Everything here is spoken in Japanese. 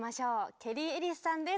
ケリー・エリスさんです。